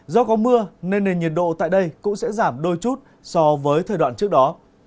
do có mưa nên nền nhiệt độ tại đây cũng sẽ giảm đôi chút so với thời đoạn trước đó